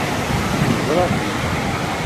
Yeẓra-ten.